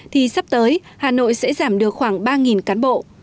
thì sắp tới hà nội sẽ giảm được khoảng ba cán bộ